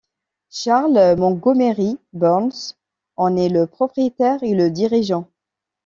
Charles Montgomery Burns en est le propriétaire et le dirigeant.